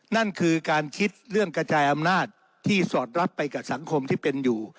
นั่นคือการคิดเรื่องกระจายอำนาจที่สอดรับไปกับสังคมที่เป็นอยู่